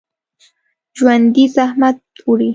ژوندي زحمت وړي